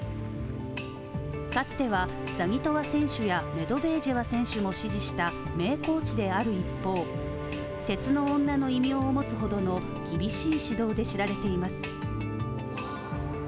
かつてはザギトワ選手やメドベージェワ選手を指導した名コーチである一方鉄の女の異名を持つほどの厳しい指導で知られています。